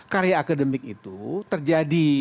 karya akademik itu terjadi